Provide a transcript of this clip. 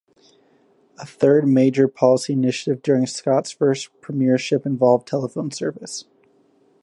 A third major policy initiative during Scott's first premiership involved telephone service.